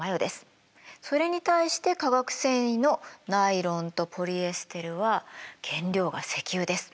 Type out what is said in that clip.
それに対して化学繊維のナイロンとポリエステルは原料が石油です。